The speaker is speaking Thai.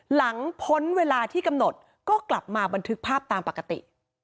พ้นเวลาที่กำหนดก็กลับมาบันทึกภาพตามปกติ